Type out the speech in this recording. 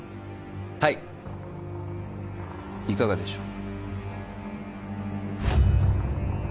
はいいかがでしょう